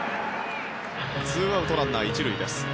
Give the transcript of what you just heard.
２アウト、ランナー１塁です。